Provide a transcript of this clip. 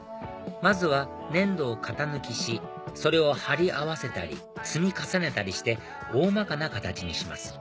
まずは粘土を型抜きしそれを貼り合わせたり積み重ねたりして大まかな形にします